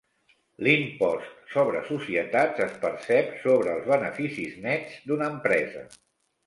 L'impost sobre societats es percep sobre els beneficis nets d'una empresa.